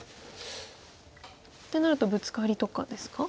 ってなるとブツカリとかですか？